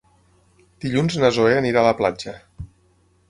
Dilluns na Zoè anirà a la platja.